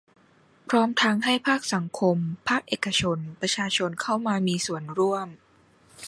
พร้อมทั้งให้ภาคสังคม ภาคเอกชน ประชาชนเข้ามามีส่วนร่วม